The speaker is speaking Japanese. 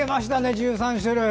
１３種類。